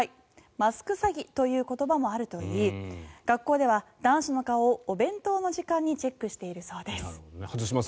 マスク詐欺という言葉もあるといい学校では男子の顔をお弁当の時間にチェックしているそうです。